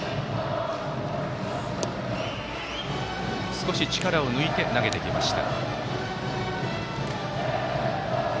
少し力を抜いて投げてきました。